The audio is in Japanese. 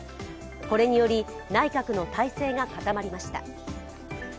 これにより、内閣の体制が固まりました。